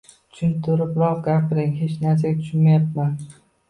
Tushuntiribroq gapiring, hech narsaga tushunmayapman.